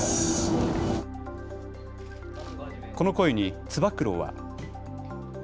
この声につば九郎は。